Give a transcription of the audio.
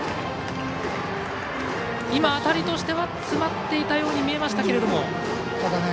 今当たりとしては詰まっていたように見えましたけれども。